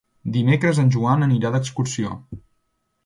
Dimecres en Joan anirà d'excursió.